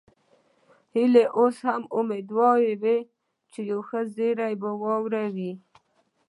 هيله اوس هم اميدواره وه چې یو ښه زیری به واوري